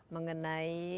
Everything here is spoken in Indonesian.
mengenai wajib berusaha